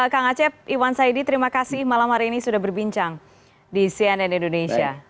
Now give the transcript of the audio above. kang acep iwan saidi terima kasih malam hari ini sudah berbincang di cnn indonesia